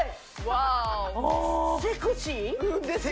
セクシー？ですね。